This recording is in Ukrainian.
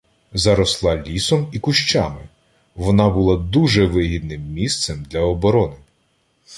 Заросла лісом і кущами, вона була дуже вигідним місцем для оборони.